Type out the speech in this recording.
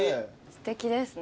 すてきですね。